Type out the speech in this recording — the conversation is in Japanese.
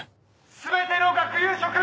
全ての学友諸君！